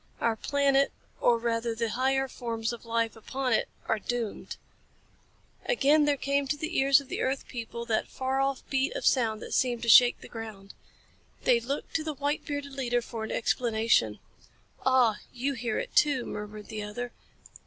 Our planet, or rather the higher forms of life upon it, are doomed." Again there came to the ears of the earth people that far off beat of sound that seemed to shake the ground. They looked to the white bearded leader for explanation. "Ah, you hear it too," murmured the other.